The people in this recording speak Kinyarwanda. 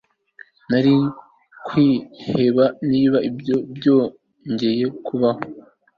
Nari kwiheba niba ibyo byongeye kubaho